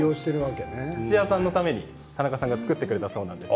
土屋さんのために田中さんが作ってくれたそうです。